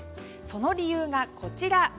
その理由が、こちら。